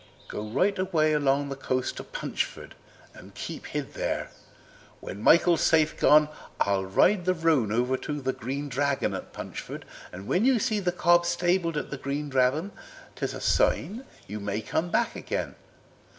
"Go right away along the coast to Punchford and keep hid there. When Michael's safe gone I'll ride the roan over to the Green Dragon at Punchford; when you see the cob stabled at the Green Dragon 'tis a sign you may come back agen."